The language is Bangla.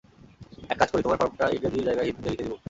এক কাজ করি, তোমার ফর্মটা ইংরেজির জায়গায় হিন্দিতে লিখে দিবো।